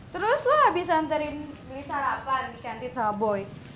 terus lo abis anterin beli sarapan di kantin sama boy